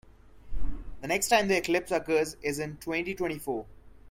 The next time the eclipse occurs is in twenty-twenty-four.